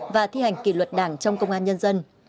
và thi hành kỷ luật đảng trong công an nhân dân